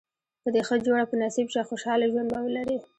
که دې ښه جوړه په نصیب شوه خوشاله ژوند به ولرې.